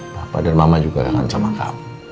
papa dan mama juga kangen sama kamu